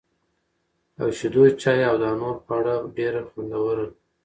او شېدو چای او دانور خواړه ډېره خوندوره